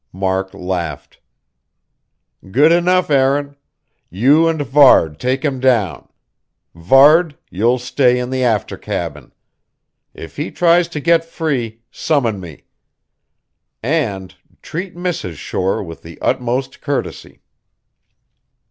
Mark laughed. "Good enough, Aaron. You and Varde take him down. Varde, you'll stay in the after cabin. If he tries to get free, summon me. And treat Mrs. Shore with the utmost courtesy."